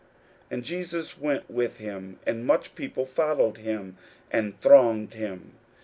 41:005:024 And Jesus went with him; and much people followed him, and thronged him.